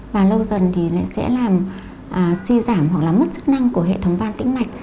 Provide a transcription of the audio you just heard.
và lâu dần sẽ làm suy giãn hoặc mất chức năng của hệ thống văn tĩnh mạch